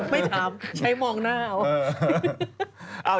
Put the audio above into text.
ไม่ถามใช้มองหน้าว่ะ